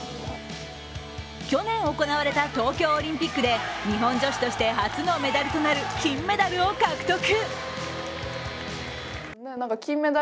去年行われた東京オリンピックで日本女子として初のメダルとなる金メダルを獲得。